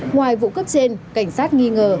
ngoài vụ cướp trên cảnh sát nghi ngờ